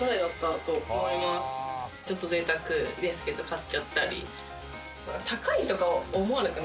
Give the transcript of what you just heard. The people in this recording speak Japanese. ちょっとぜいたくですけど買っちゃったり。